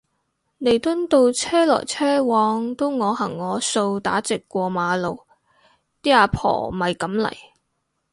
彌敦道車來車往都我行我素打直過馬路啲阿婆咪噉嚟